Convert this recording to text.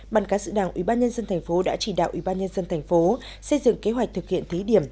bàn cá sĩ đảng ủy ban nhân dân tp đã chỉ đạo ủy ban nhân dân tp xây dựng kế hoạch thực hiện thí điểm